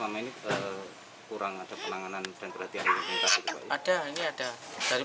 pas keputusan ini belum ada lagi yang disini